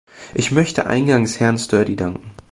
Ich möchte eingangs Herrn Sturdy danken.